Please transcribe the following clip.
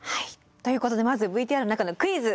ということでまずＶＴＲの中のクイズ。